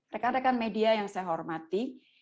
rekan rekan media yang saya hormati